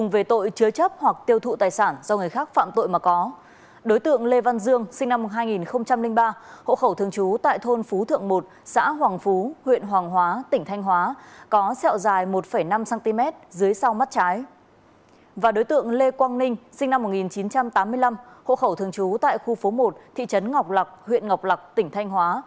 và đối tượng lê quang ninh sinh năm một nghìn chín trăm tám mươi năm hộ khẩu thường trú tại khu phố một thị trấn ngọc lạc huyện ngọc lạc tỉnh thanh hóa